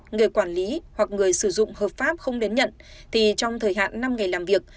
người quản lý hoặc người sử dụng hợp pháp không đến nhận thì trong thời hạn năm ngày làm việc